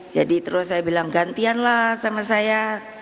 jadi terus saya bilang gantianlah sama saya